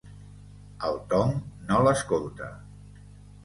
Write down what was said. El Tom no l'escolta.